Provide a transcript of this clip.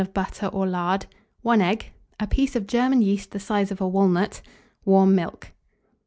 of butter or lard, 1 egg, a piece of German yeast the size of a walnut, warm milk.